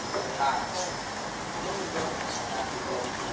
สวัสดีครับ